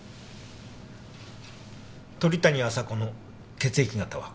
鳥谷亜沙子の血液型は？